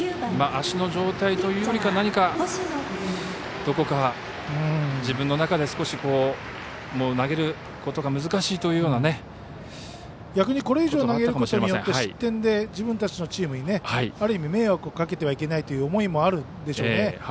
足の状態というよりかどこか、自分の中で少し投げることが難しいというようなことが逆に、これ以上投げることによって失点で自分たちのチームに迷惑をかけたらいけないという思いもあるでしょうね。